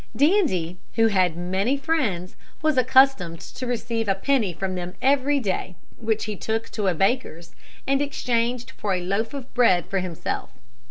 Dandie, who had many friends, was accustomed to receive a penny from them every day, which he took to a baker's and exchanged for a loaf of bread for himself.